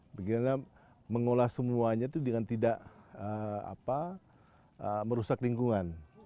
bagaimana mengolah semuanya itu dengan tidak merusak lingkungan